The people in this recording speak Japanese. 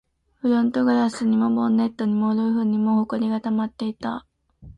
フロントガラスにも、ボンネットにも、ルーフにも埃が溜まっていた